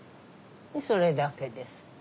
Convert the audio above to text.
それだけです。